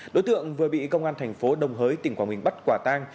đối tượng vừa bị công an thành phố đồng hới tỉnh quảng bình bắt quả tang